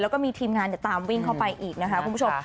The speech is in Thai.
แล้วก็มีทีมงานตามวิ่งเข้าไปอีกนะคะคุณผู้ชม